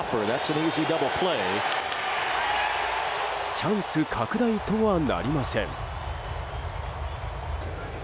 チャンス拡大とはなりません。